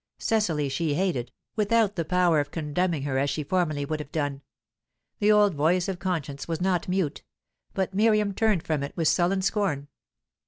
Cecily she hated, without the power of condemning her as she formerly would have done. The old voice of conscience was not mute, but Miriam turned from it with sullen scorn.